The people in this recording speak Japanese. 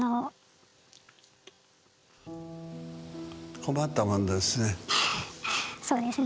困ったもんですね。